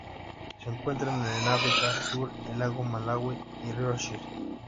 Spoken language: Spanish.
Se encuentran en África: sur del lago Malawi y río Shire.